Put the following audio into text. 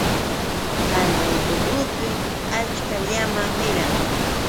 Hanay urqupim achka llama miran.